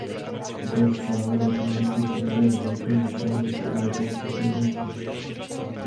Tyto rozsáhlé rodiny způsobily razantní zvýšení počtu obyvatelstva v oblasti.